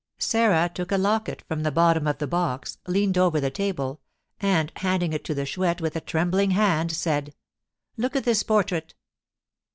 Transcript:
Sarah took a locket from the bottom of the box, leaned over the table, and, handing it to the Chouette with a trembling hand, said: "Look at this portrait."